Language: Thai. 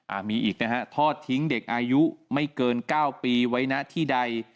มีอีกนะฮะทอดทิ้งเด็กอายุไม่เกินเก้าปีไว้นะที่ใด